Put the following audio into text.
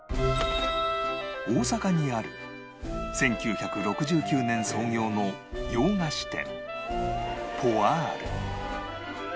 大阪にある１９６９年創業の洋菓子店 ＰＯＩＲＥ